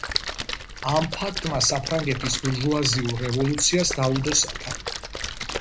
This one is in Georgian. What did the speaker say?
ამ ფაქტმა საფრანგეთის ბურჟუაზიულ რევოლუციას დაუდო სათავე.